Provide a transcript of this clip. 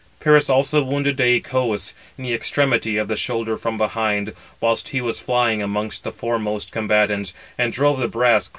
Paris also wounded Dëiochous in the extremity of the shoulder from behind, whilst he was flying amongst the foremost combatants; and drove the brass quite through.